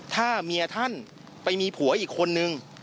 ถ้าเมียท่านไปมีผัวอีกคนนึง